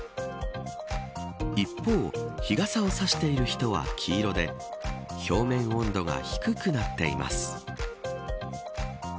一方、日傘を差している人は黄色で表面温度が低くなっています。